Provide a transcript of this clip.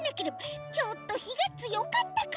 ちょっとひがつよかったかな？